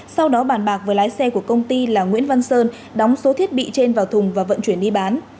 sau đó bàn bạc với lái xe của công ty là nguyễn văn sơn đóng số thiết bị trên vào thùng và vận chuyển đi bán